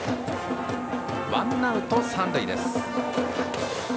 ワンアウト、三塁です。